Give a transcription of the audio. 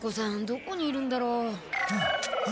どこにいるんだろ。